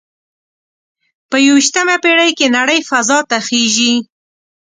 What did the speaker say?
په یوویشتمه پیړۍ کې نړۍ فضا ته خیږي